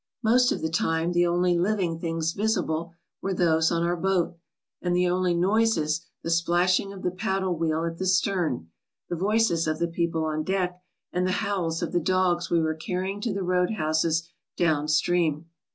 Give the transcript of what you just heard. Most of the time the only living things visible were those on our boat, and the only noises the splashing of the paddle wheel at the stern, the voices of the people on deck, and the howls of the dogs we were carrying to the roadhouses down stream.